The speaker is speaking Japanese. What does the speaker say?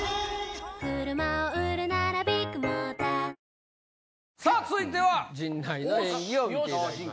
ニトリさぁ続いては陣内の演技を見ていただきましょう。